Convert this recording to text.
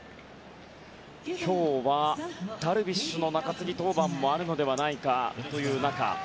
今日はダルビッシュの中継ぎ登板もあるのではないかという中